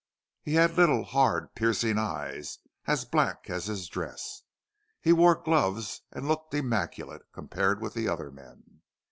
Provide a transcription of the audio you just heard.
He had little, hard, piercing eyes, as black as his dress. He wore gloves and looked immaculate, compared with the other men.